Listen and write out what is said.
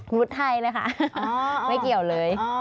รุดไทยเลยค่ะไม่เกี่ยวเลย